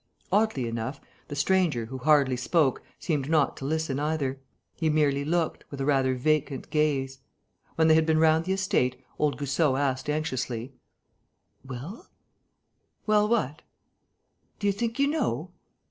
Oddly enough, the stranger, who hardly spoke, seemed not to listen either. He merely looked, with a rather vacant gaze. When they had been round the estate, old Goussot asked, anxiously: "Well?" "Well what?" "Do you think you know?"